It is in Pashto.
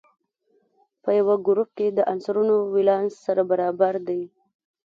په یوه ګروپ کې د عنصرونو ولانس سره برابر دی.